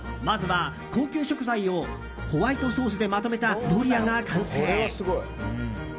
まずは高級食材をホワイトソースでまとめたドリアが完成。